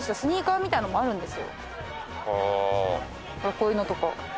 こういうのとか。